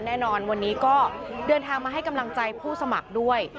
แน่นอนวันนี้ก็เดินทางมาให้กำลังใจผู้สมัครด้วย